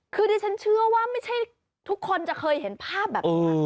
คือดิฉันเชื่อว่าไม่ใช่ทุกคนจะเคยเห็นภาพแบบนี้